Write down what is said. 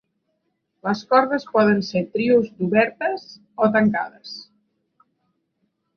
Les cordes poden ser trios d'obertes o tancades.